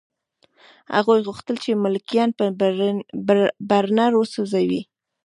هغوی غوښتل چې ملکیان په برنر وسوځوي